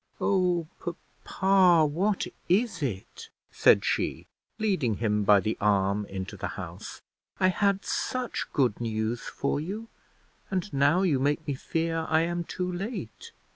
"Oh, papa, what is it?" said she, leading him by the arm into the house. "I had such good news for you, and now you make me fear I am too late."